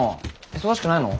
忙しくないの？